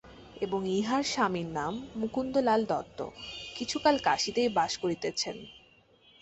এবং ইঁহার স্বামীর নাম মুকুন্দলাল দত্ত–কিছুকাল কাশীতেই বাস করিতেছেন।